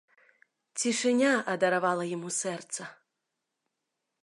Цішыня адарвала яму сэрца.